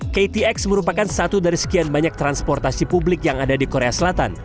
ktx merupakan satu dari sekian banyak transportasi publik yang ada di korea selatan